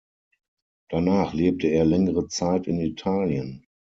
Danach lebte er längere Zeit in Italien.